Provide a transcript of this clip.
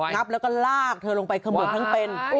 งับแล้วก็ลากเธอลงไปเขมือบทั้งเป็น